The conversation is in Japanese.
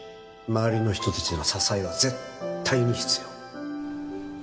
周りの人達の支えは絶対に必要